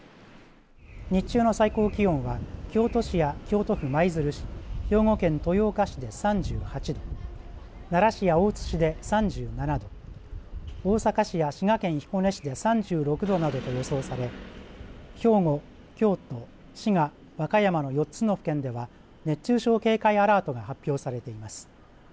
日中の最高気温は京都市や京都府舞鶴市兵庫県豊岡市で３８度奈良市や大津市で３７度大阪市や滋賀県彦根市で３６度などと予想され兵庫、京都、滋賀岡山の４つの府県では熱中症警戒アラートが発表されています。